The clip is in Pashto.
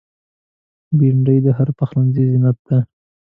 بېنډۍ د هر پخلنځي زینت ده